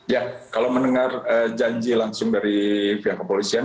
ya kalau mendengar janji langsung dari pihak kepolisian